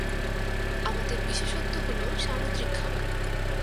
আমাদের বিশেষত্ব হলো সামুদ্রিক খাবার।